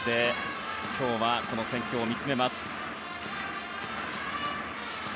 今日はベンチで戦況を見つめます。